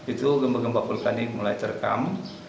itu gempa gempa vulkanik mulai terekam